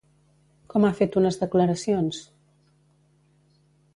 Com ha fet unes declaracions?